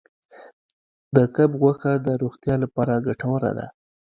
د کب غوښه د روغتیا لپاره ګټوره ده.